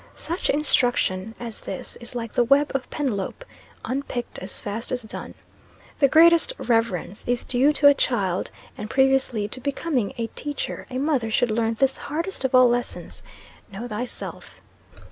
Such instruction as this is like the web of Penelope unpicked as fast as done. The greatest reverence is due to a child; and previously to becoming a teacher, a mother should learn this hardest of all lessons 'Know thyself.'